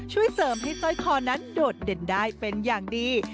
ช่วยเสริมให้สร้อยคอนั้นโดดเด่นได้เป็นอย่างดี